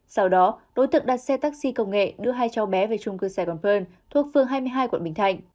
sau đó đối tượng đặt xe taxi công nghệ đưa hai cháu bé về trung cư xe quảng phương thuộc phường hai mươi hai quận bình thạnh